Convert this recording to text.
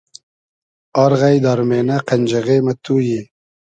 آر غݷد آر مېنۂ قئنجیغې مۂ تو یی